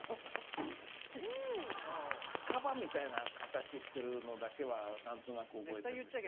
カバみたいな形してるのだけは何となく覚えてるんですよ。